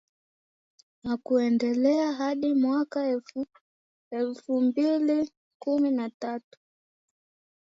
na kuendelea hadi mwaka elfu mbili kumi na tatu